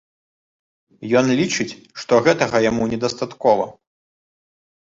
Ён лічыць, што гэтага яму недастаткова.